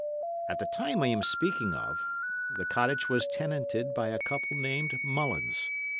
At the time I am speaking of, the cottage was tenanted by a couple named Mullins.